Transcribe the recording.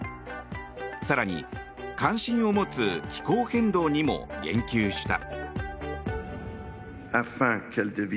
更に、関心を持つ気候変動にも言及した。